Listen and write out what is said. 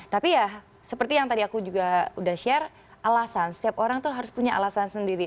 tapi ya seperti yang tadi aku juga udah share alasan setiap orang tuh harus punya alasan sendiri